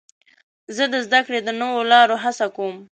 زه د زدهکړې د نوو لارو هڅه کوم.